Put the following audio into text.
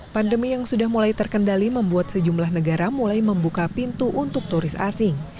pandemi yang sudah mulai terkendali membuat sejumlah negara mulai membuka pintu untuk turis asing